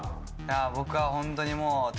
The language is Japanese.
僕はホントにもう。